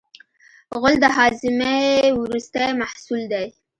غول د هاضمې وروستی محصول دی.